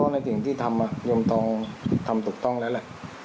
นาถิ่นที่ทำเอ่อย่วมตรงทำถูกต้องแล้วละ